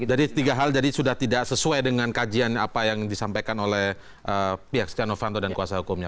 jadi tiga hal jadi sudah tidak sesuai dengan kajian apa yang disampaikan oleh pihak sjanovanto dan kuasa hukumnya